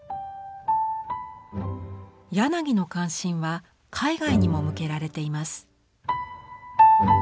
柳の関心は海外にも向けられています。